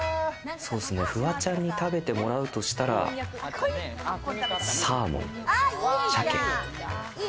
フワちゃんに食べてもらうとしたらサーモン。